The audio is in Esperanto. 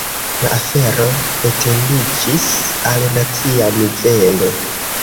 La afero etendiĝis al nacia nivelo.